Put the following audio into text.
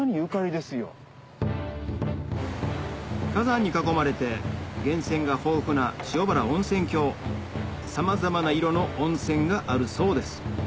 火山に囲まれて源泉が豊富なさまざまな色の温泉があるそうです